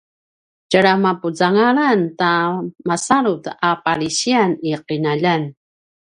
tjalja mapuzangalan ta masalut a palisiyan i qinaljan